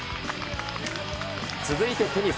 続いてテニス。